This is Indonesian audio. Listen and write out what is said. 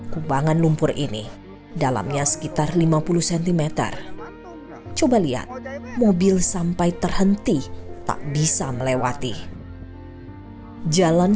kubangan lumpur ini dalamnya sekitar lima puluh cm coba lihat mobil sampai terhenti tak bisa melewati jalan